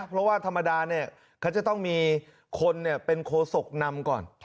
เพราะว่าธรรมดาเนี่ยเขาจะต้องมีคนเป็นโคศกนำก่อน